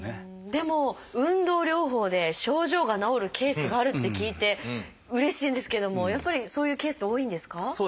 でも運動療法で症状が治るケースがあるって聞いてうれしいんですけどもやっぱりそういうケースって多いんですか？